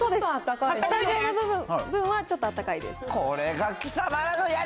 スタジオの分はちょっとあったかいです。